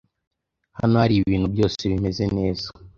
Hano ibintu byose bimeze neza?